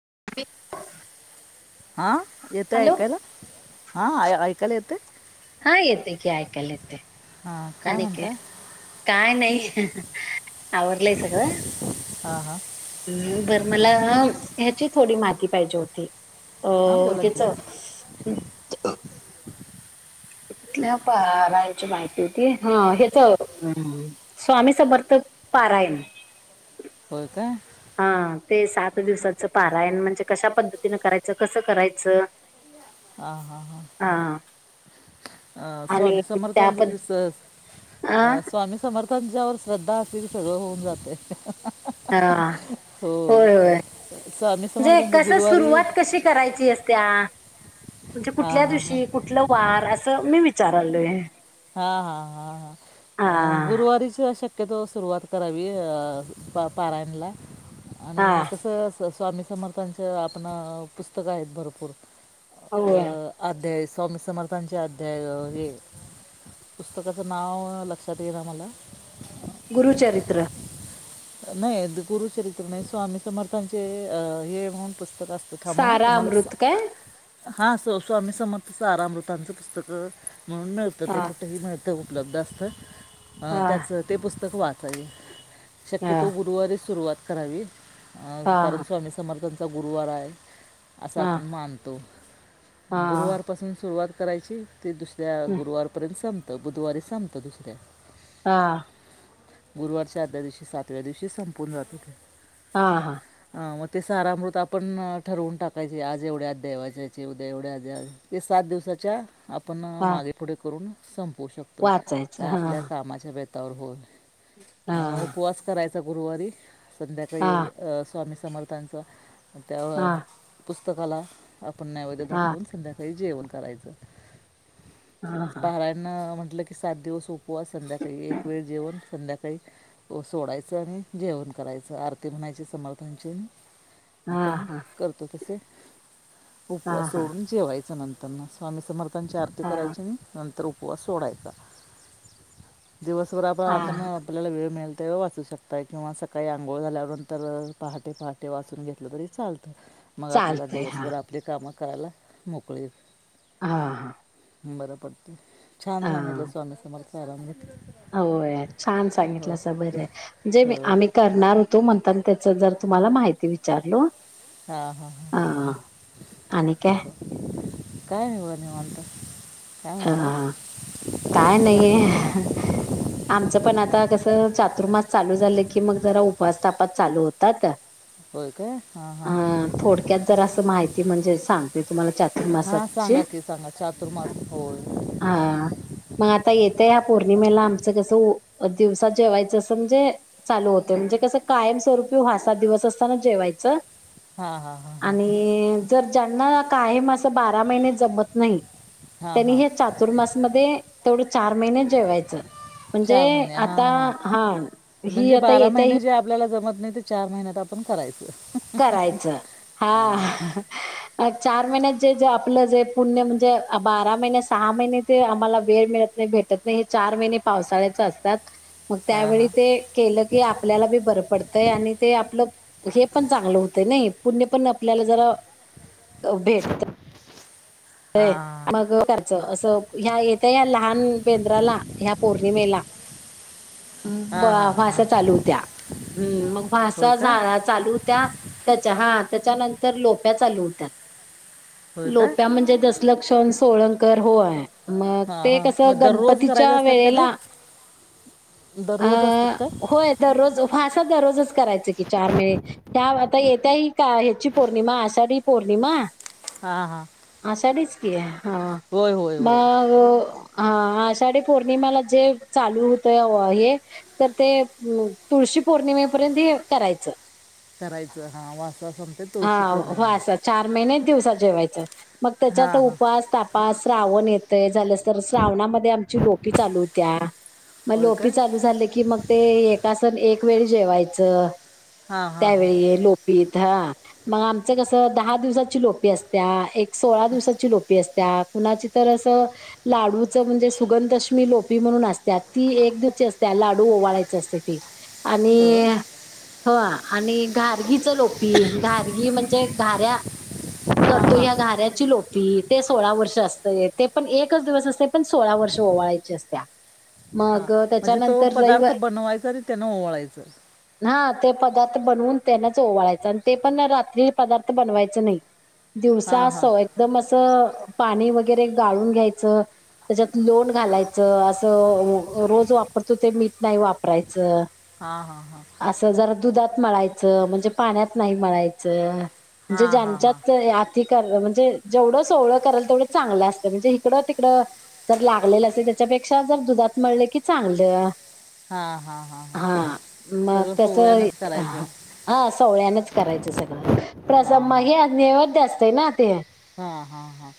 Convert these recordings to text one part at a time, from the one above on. [unintelligible] हा येतेय हॅलो ऐकायला हा ऐकायला येतंय. हा येते की ऐकायला आणि काय म्हणताय काय नाही. आवरलंय सगळं. हा हा. हम् बर मला ह्याची थोडी माती पाहिजे होती. हां बोला की [unintelligible] कुठल्या पार हाय? माहिती होती ह हेच स्वामी समर्थक पारायण होय काय? हा ते सात दिवसाचं पारायण म्हणजे कशा पद्धतीन करायचं कसं करायचं. हा हा ह. हा अ आणि स्वामी त्या पण समर्थांच अ अ स्वामी समर्थ त्यांच्यावर श्रद्धा असेल सगळं होऊन जाते. हा होय होय. स्वामी म्हणजे समर्थांचे कस गुरुवारी सुरुवात कशी करायची असत्या. म्हणजे हां कुठल्या हां हां दिवशी कुठलं वार असं मी विचारालो य हा हा हा हा गुरुवारीच अश अके तो सुरुवात करावी प पारायणला आणि हा कसं. स्वामी समर्थांच्या आपण पुस्तक आहेत भरपूर अ होय आध्यायस. स्वामी समर्थांचे अध्याय हे. पुस्तकाचं नाव लक्षात ईना मला गुरुचरित्र नाही गुरुचरित्र नाही स्वामी समर्थांचे अ हे म्हणून असत मा ह सारा तुम्हालाच अमृत काय हा असं स्वामी समर्थ सारामृत पुस्तकं म्हणून मिळतं ते हा कुठेही मिळतं. उपलब्ध असतं हा त्याचं ते पुस्तक वाचावील हा शक्यतो गुरुवारी सुरुवात करावी कारण हा स्वामी समर्थां गुरुवार आहे असं हा आपण मानतो हा गुरुवारपासून सुरुवात करायची ते दुसऱ्या गुरुवारपर्यंत संपत बुधवारी संपत दुसऱ्या हा. गुरुवारच्या अर्ध्या दिवशी सातव्या दिवशी संपून जात होते. हा हा मग ते सारामृत आपण ठरवून टाकायचे आज एवढे अध्याय वाचायचे उद्या एवढे अध्याय वाचायचे हे सा दिवसाच्या आपण हा मागे पुढे करून संपवू शकतोय वाचायचं काय हा आपल्या कामाच्या बेतावर होल हा करायचा गुरुवारी हा संध्याकाळी स्वामी समर्थांचं त्या हा पुस्तकाला आपण नैवेद हा हा दाखवून संध्याकाळी जेवण करायच हा पारायण म्ह म्हटलं की सात दिवस उपवास संध्याकाळी एक वेळ जेवण संध्याकाळी सोडायचं आणि जेवण करायचं आरती म्हणायची समर्थांची हा आपण हा करतो तस हा उपवास हा सोडून जेवायच नं तरन स्वामी समर्थांची आरती हा करायची आणि नंतर उपवास सोडायचा. दिवसभरात आपण हा आपल्याला वेळ मिळल ते वाचू शकताय किंवा सकाळी आंघोळ झाल्यानंतर पहाटे पहाटे वाचून घेतलं तरी चालतं मग आपल्याला चालतय हा दिवसभर आपली कामं करायला मोकळे हा हा बरं पडत छान सांगितलं स्वामी समर्थ सारामृत हो छान सांगितलं असं बर आहे जे मी हो आम्ही करणार होतो म्हणता त्याच जर तुम्हाला माहिती विचारल. हा हा ह आणि काय काही नाही निवांत काय अ म्हणताय? काय तुमचं नाहीये चाललंय? आमचं पण आता कसं चातुर्मास चालू झालं की मग जरा उपास तापास चालू होतात. होय काय हां अ हां थोडक्यात जर अस माहिती म्हणजे सांगते तुम्हाला चातुर्मासात हां सांगा की सांगा चातुर्मास होय. हा मग आता येत तया पौर्णिमेला आमचं कसं दिवसात जेवायचं अस म्हणजे चालू होतं, म्हणजे कसं कायम स्वरूपी व सात दिवस असताना जेवायचं हां हां हां हां आणि जर ज्यांना कायम असं बारा महिने जमत नाही हां त्यांनी हां हे चातुर्मासमध्ये तेवढं चार महिने जेवायचं म्हणजे चार महिने हां आता हां हा ही म्हणजे आता बारा येत्या ही महिने जे आपल्याला जमत नाही ते चार महिन्यात आपण करायच. करायचं हा चार महिन्यात जे जे आपलं जे पुण्य म्हणजे बारा महिने सहा महिने ते आम्हाला वेळ मिळत नाही. भेटत नाही हे चार महिने पावसाळ्याच असतात. मग हां त्यावेळी हां ते केलं की आपल्याला बी बरं पडतंय आणि ते आपलं हे पण चांगलं होत नाही पुण्य पण आपल्याला जरा भेटत हां खर्च असं ह्या य आ या लहान बेंद्राला ह्या पौर्णिमेला हां हां हां भाषा चालू होत्या मग होय का भाषा चालू होत्या ह त्याच्या नंतर लोका चालू होत्यात होय का लोका म्हणजे लक्षण सोळंकर हो मग हां ते हां कस मग दररोज करायचे गणपतीच्या असतात का ते वेळेला अ दररोज असतात का होय दर रोज अभास तर दररोजच करायच की चार महिने ह्या आता येत्या ही का ह्याची पौर्णिमा आषाढी पौर्णिमा हा हा आषाडीच की हा होय मग हा आषाढी पौर्णिमाला जे चालू होतय हे तर ते तुळशी पौर्णिमेपर्यंत हे करायचं करायचं हा वासवा संते तुळशी पौर्णिमा दिवसात जेवायचं मग त्याच्यात हां हां उपास तपास श्रावण येत. ते झालंस तर श्रावणामध्ये आमची लोपी चालू होत्या. मग होय लोपी का चालू झाले की मग ते एका सन एक वेळ जेवायचं. हां हां हां त्यावेळी लोपी. ह मग आमचं कसं दहा दिवसाची लोपी असत्या एक सोळा दिवसाची लोपी असते. त्या कुणाची तर असं लाडूच म्हणजे सुगं दशमी लोपी म्हणून असतात ती एक. अस लाडू ओळायचे असते ते आणि होय ह आणि घारगीच लोपी घारगी म्हणजे घऱ्या हां करतो हां या्या घाऱ्या ची लोपी ते सोळा वर्ष असतय ते पण एकच दिवस असते पण सोळा वर्ष ओवाळायची असत्या हां मग म्हणजे तो त्याच्यानंतर पदार्थ रविवारी बनवायचा आणि त्यानं ओवाळायचं हा ते पदार्थ बनवून त्यांनाच ओवळायचं आणि ते पण रात्री पदार्थ बनवायच नाही दिवसा हां हां असोय पाणी वरे गळून घ्यायच त्याच्यात लोन घालायच अस रोज वापरतो ते मीठ नाही वापरायचं. हा हा हा. असं जरा दुधात मळायचं म्हणजे पाण्यात नाही मळायचं. म्हणजे हां हां हां हां ज्यांच्यात अतिक म्हणजे. जवढं सोहळं कराल तेवढ चांगलं असतं म्हणजे इकडं तिकडं जर लागलेलं असेल त्याच्यापेक्षा जर दधआ. त म्हले की चांगलं. हां हां हां हां हा मग सगळं त्याच सोहळ्यानंच करायचं हा. सोहळ्याच करायचं सगळं प्रसाद हां माग अज्व असत आहे ना ते. [unintelligible] हा हा हा.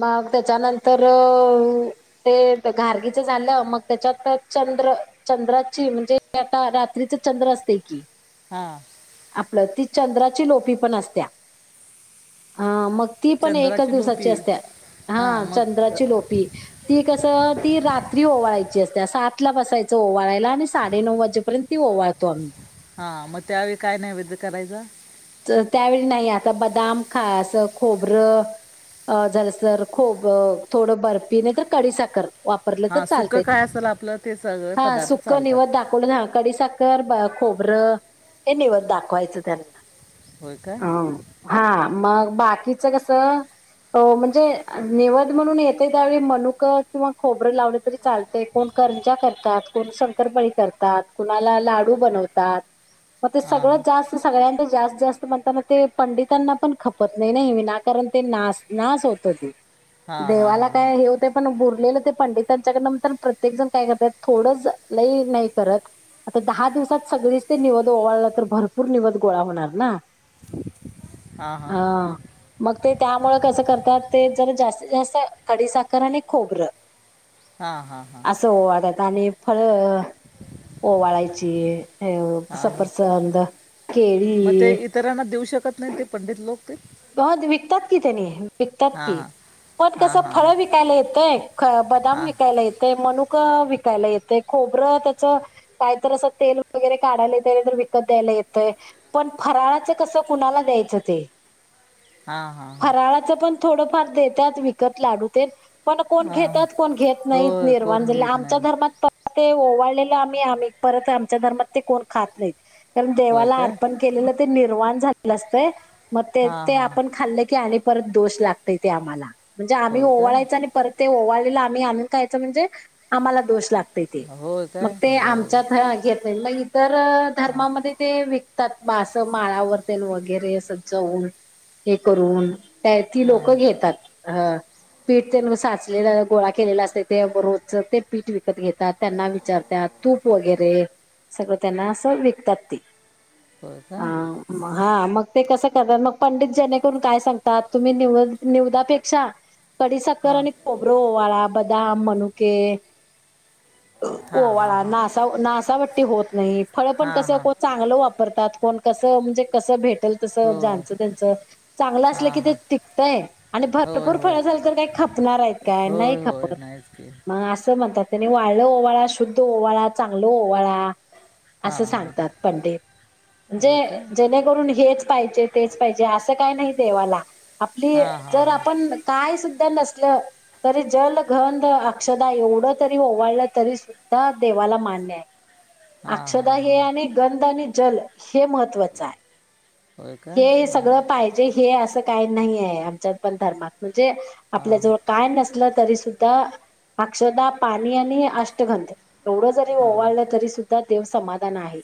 मग त्याच्यानंतर ते घारगीच झालं मग त्याच्यात च च्र चंद्राची म्हणजे आता रात्रीच चंद्र असते की हा. आपलं ती चंद्राची लोपी पण असत्या अ मग ती पण एकच चंद्राची दिवसाची लोपी असते हां हा मग चंद्राची लोपी ती ती रात्री ओवाळायची असते सातला बसायचं ओवाळायला आणि साडे नऊ वाजेपर्यंत ती ओवाळ तोम्ही. हा मग त्यावेळी काय नैवेद्य करायचं. तर त्यावेळी नाही आता बदाम खास खोबरं. अ झालं तरर खूप थोडं बर्फी नाही तर कडी साखर. वापरलं तर हां चालत सुकं काय असेल आपलं ते सगळे हा पदार्थ सुक चालतात निवत दाखवलं ह कडी कर ब खोबरं हे निवत दाखवायचं त्यांना ब अ काय. हा मग बाकीचं कस. अ म्हणजे निवद म्हणून येतय त्यावेळी मनुकं किंवा खोबरं लावलं तरी चालतेय कोण. करजा करतात कोण शंकरपाळी करतात कुणाला लाडू बनवतात. मग ते हां सगळं जास्त सगळ्यांच्यात जास्त. जास्त म्हणताना ते पंडितांना पण खपत नय नाही वीनाकारण ते ना नास होत ते. हां हां देवाला हां काय हे होतय पण ऊर. उरलेल ते पंडितांच्या कडन म्हणताना प्रत्येक जण काय करत्यात. थोडंस लय नाही करत. आता दहा दिवसात सगळीच ते निवद ओवाळला तर भरपूर निवद गोळा होणार. होणार ना. हां हां हा. मग ते त्या मूळ कसं करतात ते जर जास्तीत जास्त खडीसाखर आणि खोबरं. हां हां हां असं ओवाळतात आणि फळ ओवाळायची. हे अ हां हां सपरसंद केळी. मग ते इतरांना देऊ शकत नाही ते पंडित लोक ते. हो विकतात की त्यानी विकतात हां की हां पण हां कसं हां हां फळ विकायला येतंय. बदाम हां विकायला येतय मणुक विकायला येतय खोबर त्याच पाहिजेतर अस तेल वगैरे काढायला येतंय नाहीतर विकत द्यायला येतंय पण फराळाच कस कुणाला द्यायचं ते हां हां हां फराळाच पण थोडंफार देत्यात विकत लाडू तेन पण कोण हां हां घेतात कोण घेत नाही होय निर्वाण कोण झालेल घेत आमच्या नाही धर्मात तर ते ओवळलेला आम्ही आम्ही परत आमच्या धर्मात ते कोण खात नाहीत कारण होय देवाला काय अर्पण केलेलं ते निर्वाण झालेलं असत मग ते हां ते हां आपण खाल्ले की आणि परत दोष लागतंय ते आम्हाला म्हणजे आम्ही होय काय ओवळायच आणि परत ते आवळेल आम्ही आणून खायच म्हणजे आम्हाला दोष लागतोय लागतंय ते होय मग काय ते बरं आमच्यात ह घेत नाहीत मग इतर हां धर्मा मध्ये ते विकतात विकतात म अस माळावर तेन वगैरे असं जावून हे करून त्या ती हां लोकं घेतात. हा पीठ त्यांन साचलेला गोळा केलेल असतय ते रोजच ते पीठ विकत घेतात. त्यांना विचारत्यात तूप वगैरे सगळं त्यांना असं विकतात. ते होय काय हा. हा मग ते कसं करतात मग पंडित जेणे करून काय सांगतात तुम्ही निवद निवादापेक्षा खडी साखर हां आणि खोबर ओवाळा बदम, मनुके हां हां ओवाळा हां नासा नासावटी होत नाही फळ पण हां कसं हां चांगलं वापरतात कोण कसं म्हणजे कसं भेटेल तसं होय जाच त्यांच चांगलं हां असलं की ते हां टिकतंय आणि होय भरपूर फळ होय झालं तर काही खपणार आहेत काय नाही होय होय खपत नाहीच की मग अस म्हणतात त्यांनी वाळक ओवाळा शुद्ध ओवाळा चांगल ओवाळा. हां असं हां सांगतात पंडित होय म्हणजे काय जेणे करून हेच पाहिजे तेच पाहिजे अस काही नाही देवाला आपली हां हां जर हां आपण काय सुद्धा नसलं तरी जल गध अक्षदा एवढ तरी ओळलं तरी सुद्धा देवाला मान्य आहे हां अक्षदा हां हां हे आणि गंध आणि जल हे महत्त्वाच आहे होय काय हे हां सगळं पाहिजे हे असं काही नाही आहे आमच्यात पण धर्मातम म्हणजे आपल्या हां जवळ काय नसल तरी सुद्धा अक्षदा पाणी आणि अष्टगंध एवढं जरी हां ओवाळलं तरी सुद्धा देव समाधान आहे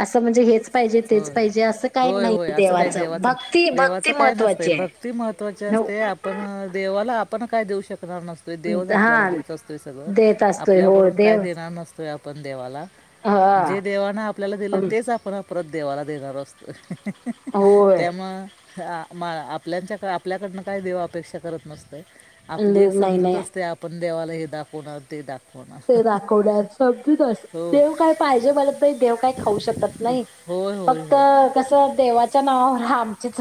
असं म्हणजे हेच पाहिजे तेच होय पाहिजे अस होय होय असं काही देवाचं भक्ती देवाचं काय नसतंय महत्त्वाची आहे. भक्ती महत्त्वाची महत्वाची असते आपण देवाला आपण काय देऊ शकणार शकणार नसतोय देवच आपल्याला हा देत असतोय सगळं देत असतोय हो आपल्याकडून काय देव देणार नसतोय आपण देवाला हा जे देवान आपल्याला दिलं तेच आपण परत देवाला देणार असतोय होय त्यामुळं आ मा आपल्याच्या आपल्याकडनं काय देव अपेक्षा करत नसतय आपली एक नाही समजुत नाही असत्या आपण देवाला हे दाखवणार ते दाखवणार ते दखवड्या समजच हो देव काय पाहिजे मानत नाही देव काय खाऊ शकत नाही होय होय फक्त होय कसं देवाच्या नावावर आमचेच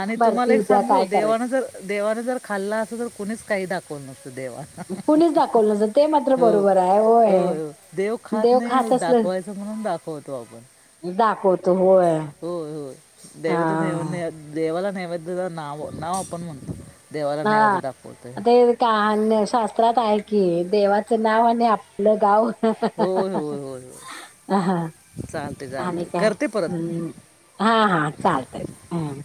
आणि तुम्हाला एक सांगू देवान जर देवान जर खाल्ला असल तर कुणीच काही दाखव न देवा कुणीच दाखवलं नसतं ते मात्र हो बरोबर आहे होय हो देव खात नाही दाख वायचं म्हणून दाखवतो आपण दाखवत होय होय हा देवे देवाला नैवेद्य नाव नाव आपण म्हणतो देवाला नैवेद्य हा दाखवतोय ते काान शास्त्रात आहे कि देवाचं नाव आणि आपलं गाव होय होय होय हो अ आणि काय करते परत हम हा हा चालतय हम